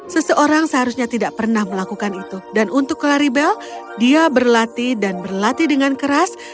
seseorang seharusnya tidak pernah melakukan itu dan untuk claribel dia berlatih dan berlatih dengan keras